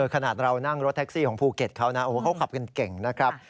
ขนาดเรานั่งรถแท็กซี่ของภูเก็ตเขานะโอ้โหเขาขับกันเก่งนะครับ